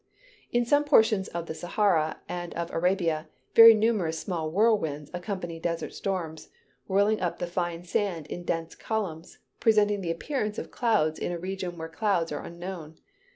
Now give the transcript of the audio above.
In some portions of the Sahara and of Arabia, very numerous small whirlwinds accompany desert storms, whirling up the fine sand in dense columns, presenting the appearance of clouds in a region where clouds are unknown.